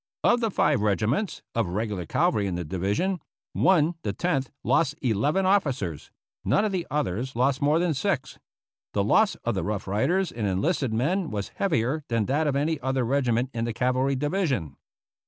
Of the five regiments of regular cavalry in the division, one, the Tenth, lost eleven officers ; none of the others lost more than six. The loss of the Rough Riders in enlisted men was heavier than that of any other regiment in the cavalry division.